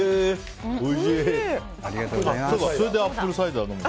それでアップルサイダーを飲む。